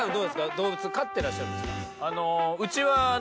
動物飼ってらっしゃるんですか？